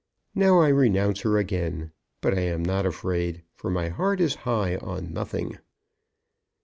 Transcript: Now I renounce her again; but I am not afraid, for my heart is high on nothing."